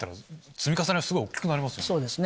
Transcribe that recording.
積み重ねは大きくなりますよね。